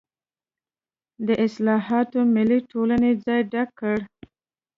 د اصلاحاتو ملي ټولنې یې ځای ډک کړ.